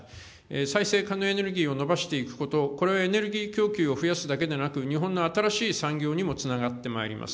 再生可能エネルギーを伸ばしていくこと、これは、エネルギー供給を増やすだけでなく、日本の新しい産業にもつながってまいります。